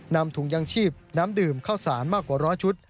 นำถุงยางชีพน้ำดื่มข้าวสารมากกว่าร้อยชุด